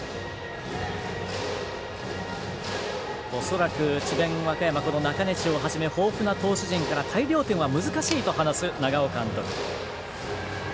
恐らく智弁和歌山の中西をはじめ豊富な投手陣から大量点は難しいと話す、長尾監督。